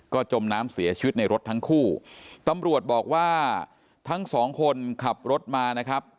ก็จมน้ำเสียชีวิตในรถทั้งคู่ตำรวจบอกว่าทั้งสองคนขับรถมานะครับ